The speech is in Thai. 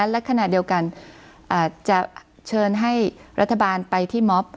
และขณะเดียวกันจะเชิญให้รัฐบาลไปที่มอบ